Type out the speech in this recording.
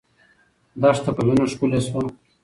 دښته په وینو ښکلې سوه.